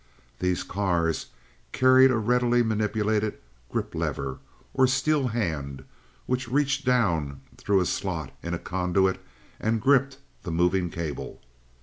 The cars carried a readily manipulated "grip lever," or steel hand, which reached down through a slot into a conduit and "gripped" the moving cable.